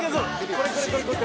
「これこれこれこれ！」